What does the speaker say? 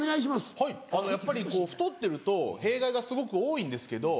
はいやっぱりこう太ってると弊害がすごく多いんですけど。